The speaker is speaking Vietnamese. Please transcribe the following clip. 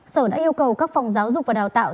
sở đã yêu cầu các phòng giáo dục và đào tạo